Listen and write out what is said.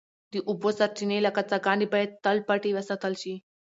د اوبو سرچینې لکه څاګانې باید تل پټې وساتل شي.